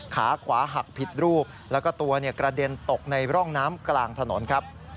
ขาขวาหักผิดรูปแล้วก็ตัวกระเด็นตกในร่องน้ำกลางถนนครับ